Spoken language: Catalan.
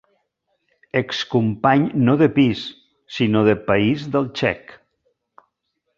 Ex company no de pis sinó de país del txec.